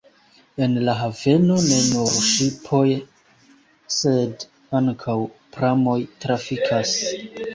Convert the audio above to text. En la haveno ne nur ŝipoj, sed ankaŭ pramoj trafikas.